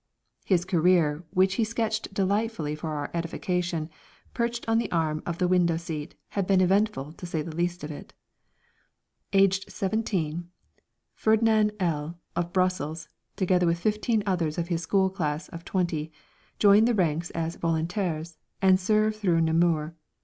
His career, which he sketched delightedly for our edification, perched on the arm of the window seat, had been eventful, to say the least of it. Aged 17, Fernand L , of Brussels, together with fifteen others of his school class of twenty, joined the ranks as volontaires and served through Namur.